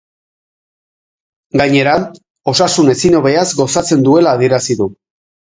Gainera, osasun ezinobeaz gozatzen duela adierazi du.